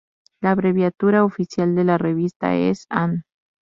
La abreviatura oficial de la revista es "An.